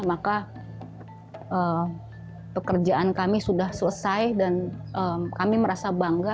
maka pekerjaan kami sudah selesai dan kami merasa bangga